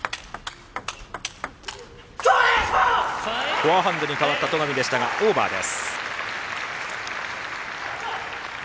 フォアハンドに変わった戸上でしたがオーバーです。